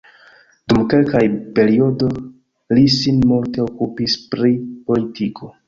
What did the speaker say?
Dum kelka periodo li sin multe okupis pri politiko.